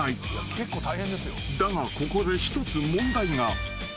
［だがここで一つ問題が］